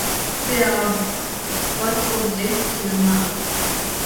They are but objects to men.